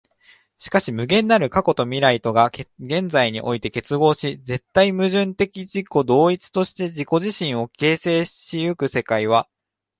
しかし無限なる過去と未来とが現在において結合し、絶対矛盾的自己同一として自己自身を形成し行く世界は、